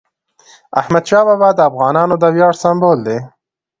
احمدشاه بابا د افغانانو د ویاړ سمبول دی.